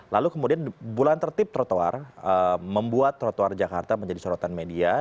lalu kemudian bulan tertib trotoar membuat trotoar jakarta menjadi sorotan media